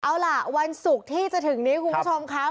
เอาล่ะวันศุกร์ที่จะถึงนี้คุณผู้ชมค่ะ